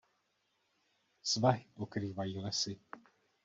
Svahy pokrývají lesy.